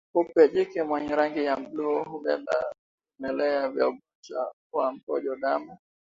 Kupe jike mwenye rangi ya bluu hubeba vimelea vya ugonjwa wa mkojo damu